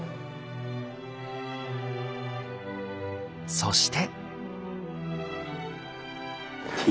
そして。